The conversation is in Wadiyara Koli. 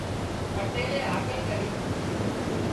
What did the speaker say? پٽيلئي هاڪل ڪرِي